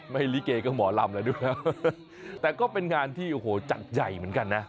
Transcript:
ลิเกก็หมอลำแล้วด้วยนะแต่ก็เป็นงานที่โอ้โหจัดใหญ่เหมือนกันนะ